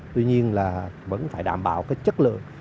tuy nhiên là vẫn phải đảm bảo chất lượng